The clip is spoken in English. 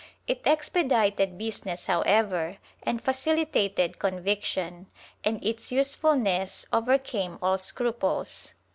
* It expedited business however and facilitated conviction, and its usefulness overcame all scruples.